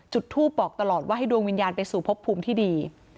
จุดทูปบอกตลอดว่าให้ดวงวิญญาณไปสู่พบภูมิที่ดี